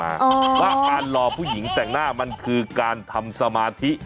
ว่าการรอผู้หญิงแต่งหน้ามันคือการทำสมาธิ